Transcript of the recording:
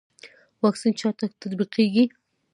واکسین چا ته تطبیقیږي؟